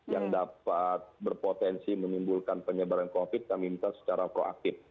yang dapat berpotensi menimbulkan penyebaran covid kami minta secara proaktif